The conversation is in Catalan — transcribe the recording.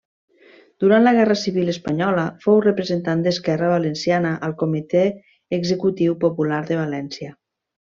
Durant la Guerra Civil espanyola, fou representant d'Esquerra Valenciana al Comitè Executiu Popular de València.